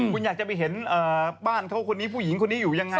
คุณอยากจะไปเห็นบ้านเขาคนนี้ผู้หญิงคนนี้อยู่ยังไง